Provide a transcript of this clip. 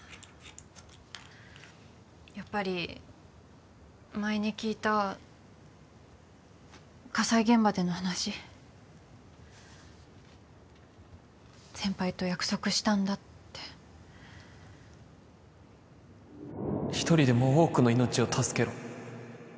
やっぱり前に聞いた火災現場での話先輩と約束したんだって一人でも多くの命を助けろ